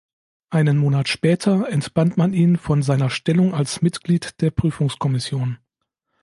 Einen Monat später entband man ihn von seiner Stellung als Mitglied der Prüfungskommission.